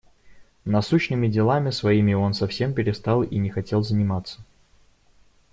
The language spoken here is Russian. Насущными делами своими он совсем перестал и не хотел заниматься.